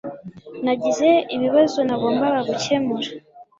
Nagize ibibazo nagombaga gukemura